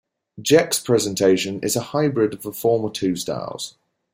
Jech's presentation is a hybrid of the former two styles.